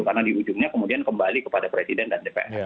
karena di ujungnya kemudian kembali kepada presiden dan dpr